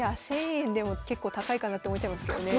１，０００円でも結構高いかなって思っちゃいますけどね